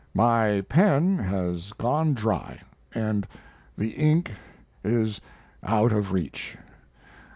My pen has gone dry and the ink is out of reach.